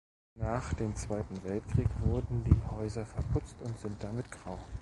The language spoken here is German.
Nach dem Zweiten Weltkrieg wurden die Häuser verputzt und sind damit grau.